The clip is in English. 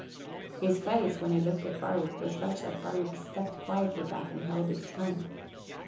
His face, when he looked at Barwick, was such that Barwick stepped quietly back and held his tongue.